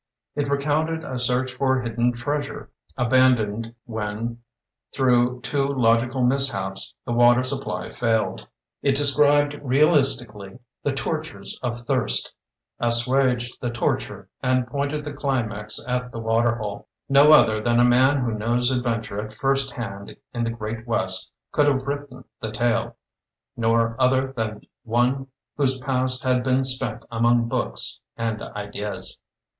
It recounted a search for hidden treasure, abandoned when, through two logical mishaps, the water supply failed. It described realisti cally the tortures of thirst, assuaged the torture, and pointed the climax at the water hole. No other than a man who knows adventure at first hand in the great west could have written the tale; nor other than one whose past had been spent among books and ideas.